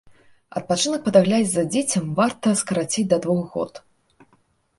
Адпачынак па даглядзе за дзіцем варта скараціць да двух год.